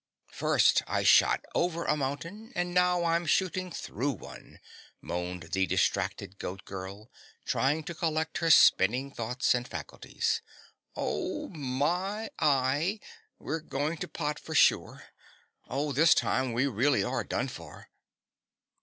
"First I shot over a mountain, and now I'm shooting through one!" moaned the distracted Goat Girl, trying to collect her spinning thoughts and faculties. "Oh, my y, we're going to pot for sure. Oh, this time we are really done for!"